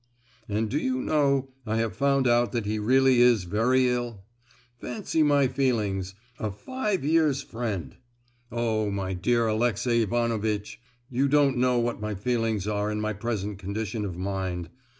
And, do you know, I have found out that he really is very ill! Fancy my feelings—a five year's friend! Oh, my dear Alexey Ivanovitch! you don't know what my feelings are in my present condition of mind.